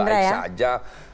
untuk gerindra ya